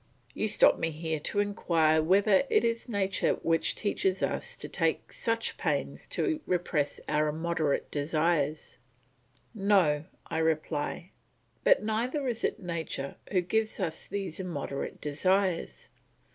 You stop me here to inquire whether it is nature which teaches us to take such pains to repress our immoderate desires. No, I reply, but neither is it nature who gives us these immoderate desires.